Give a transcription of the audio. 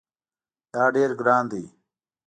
دا ډیر ګران دی